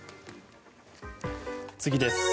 次です。